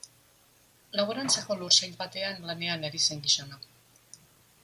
Laborantzako lursail batean lanean ari zen gizona.